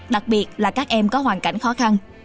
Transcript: đặc biệt là các em có hoàn cảnh khó khăn